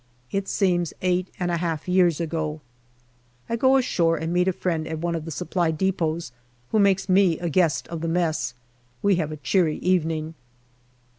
It seems eight and a half years ago. I go ashore and meet a friend at one of the Supply depots, who makes me a guest of the mess. We have a cheery evening.